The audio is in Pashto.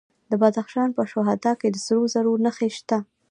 د بدخشان په شهدا کې د سرو زرو نښې شته.